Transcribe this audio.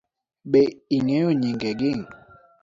Be ing'eyo nyingegi?